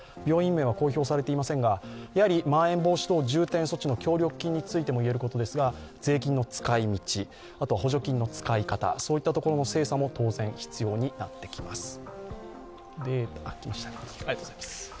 病院名は公表されていませんが、まん延防止等重点措置の協力金についても言えることですが、税金の使いみち、あとは補助金の使い方、そういったところの精査も当然必要になってきます。